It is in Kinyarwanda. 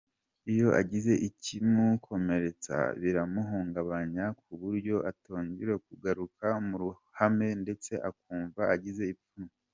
Iyo agize ikimukomeretsa biramuhungabanya ku buryo atongera kugaruka mu ruhame ndetse akumva agize ipfunwe.